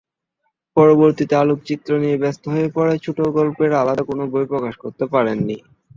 পরবর্তিতে আলোকচিত্র নিয়ে ব্যস্ত হয়ে পড়ায় ছোটগল্পের আলাদা কোন বই প্রকাশ করতে পারেন নি।